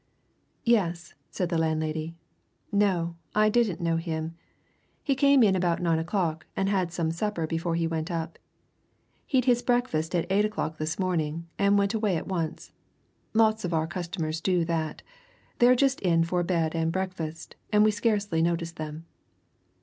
"Yes," said the landlady. "No I didn't know him. He came in about nine o'clock and had some supper before he went up. He'd his breakfast at eight o'clock this morning, and went away at once. Lots of our customers do that they're just in for bed and breakfast, and we scarcely notice them."